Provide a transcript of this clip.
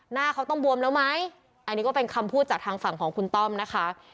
หน้าเขาต้องบวมแล้วไหมอันนี้ก็เป็นคำพูดจากทางฝั่งของคุณต้อมนะคะ